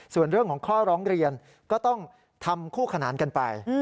ส่วนเรื่องของข้อร้องเรียนก็ต้องทำคู่ขนานกันไป